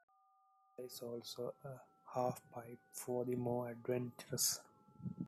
There is also a halfpipe for the more adventurous.